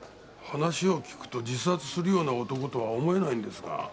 話を聞くと自殺するような男とは思えないんですが。